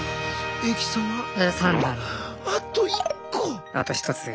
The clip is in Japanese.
あと１つ。